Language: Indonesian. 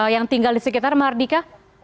yang tinggal di sekitar mardika